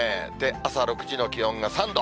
朝６時の気温が３度。